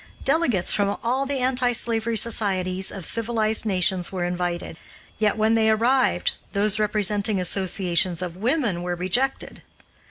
Delegates from all the anti slavery societies of civilized nations were invited, yet, when they arrived, those representing associations of women were rejected.